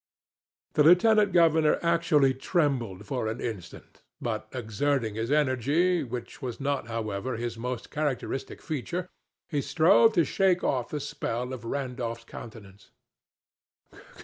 The lieutenant governor actually trembled for an instant, but, exerting his energy—which was not, however, his most characteristic feature—he strove to shake off the spell of Randolph's countenance.